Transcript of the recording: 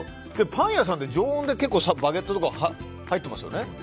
パン屋さんって常温でバゲットとか入っていますよね。